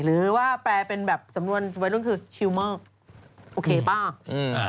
หรือว่าแปลเป็นแบบสำนวนวัยรุ่นคือชิลเมอร์โอเคเปล่าอืม